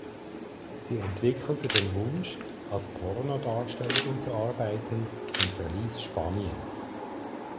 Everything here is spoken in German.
Sie entwickelte den Wunsch als Pornodarstellerin zu arbeiten und verließ Spanien.